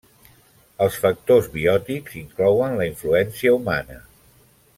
Els factors biòtics inclouen la influència humana.